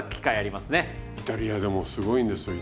イタリアでもすごいんですよ。